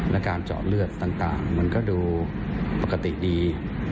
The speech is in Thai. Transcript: และการเจาะเลือดต่างมันก็ดูปกติดี